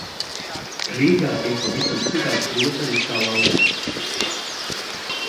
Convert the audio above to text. Rīgā ir pavisam citādas rotaļas kā laukos.